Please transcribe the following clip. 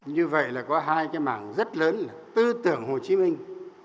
như vậy là có hai cái mảng rất lớn là tư tưởng hồ chí minh